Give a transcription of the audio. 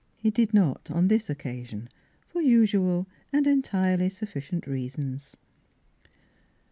He did not on this occa sion, for usual and entirely sufficient reasons.